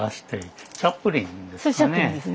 それチャップリンですね。